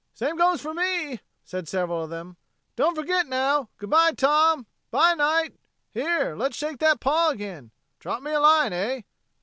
"Same goes for me," said several of them. "Don't forget, now. Good by, Tom. 'By, Knight. Here, let's shake that paw again. Drop me a line, eh?"